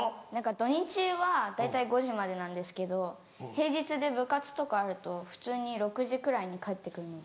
土・日は大体５時までなんですけど平日で部活とかあると普通に６時くらいに帰って来るんで。